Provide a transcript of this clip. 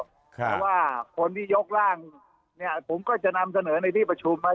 เพราะว่าคนที่ยกร่างเนี่ยผมก็จะนำเสนอในที่ประชุม